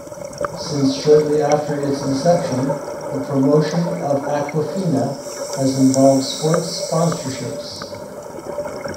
Since shortly after its inception, the promotion of Aquafina has involved sports sponsorships.